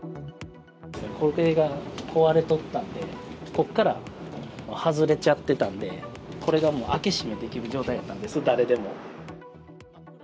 これが壊れとったんで、ここから外れちゃってたんで、これが開け閉めできる状態だったんです、誰でも。